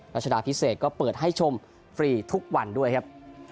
รัชดาพิเศษก็เปิดให้ชมฟรีทุกวันด้วยครับ